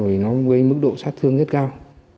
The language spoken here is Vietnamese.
vì nó gây mức độ sát thương rất cao